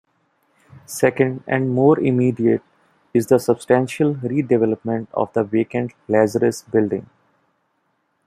Second, and more immediate, is the substantial redevelopment of the vacant Lazarus building.